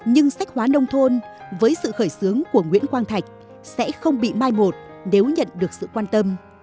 nhưng sách hóa nông thôn với sự khởi xướng của nguyễn quang thạch sẽ không bị mai một nếu nhận được sự quan tâm